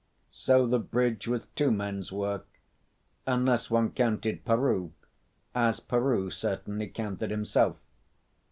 So the bridge was two men's work unless one counted Peroo, as Peroo certainly counted himself.